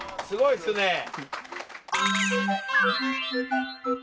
すごいですね。